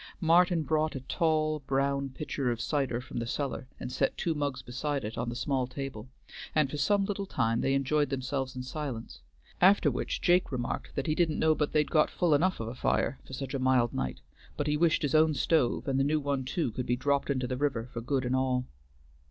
Martin brought a tall, brown pitcher of cider from the cellar and set two mugs beside it on the small table, and for some little time they enjoyed themselves in silence, after which Jake remarked that he didn't know but they'd got full enough of a fire for such a mild night, but he wished his own stove and the new one too could be dropped into the river for good and all.